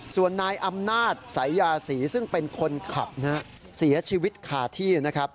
ส่วนนายอำนาจสายยาศรีซึ่งเป็นคนขับนะฮะเสียชีวิตคาที่นะครับ